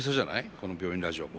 この「病院ラジオ」も。